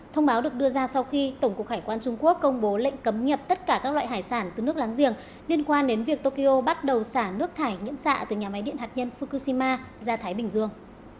thông báo được đưa ra sau khi tổng cục hải quan trung quốc công bố lệnh cấm nhập tất cả các loại hải sản từ nước láng giềng liên quan đến việc tokyo bắt đầu xả nước thải nhiễm xạ từ nhà máy điện hạt nhân fukushima ra thái bình dương